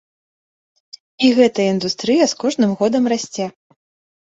І гэтая індустрыя з кожным годам расце.